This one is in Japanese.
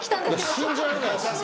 信じられないです。